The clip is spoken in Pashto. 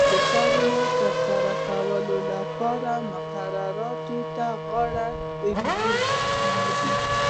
د کارونو د ترسره کولو لپاره مقرراتو ته غاړه ږدي.